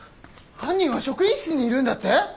犯人は職員室にいるんだって！？